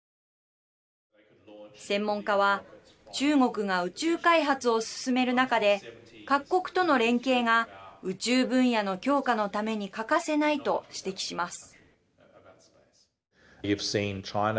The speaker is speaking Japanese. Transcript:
専門家は、中国が宇宙開発を進める中で各国との連携が宇宙分野の強化のために欠かせないと指摘します。